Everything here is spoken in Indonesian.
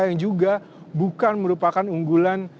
yang juga bukan merupakan unggulan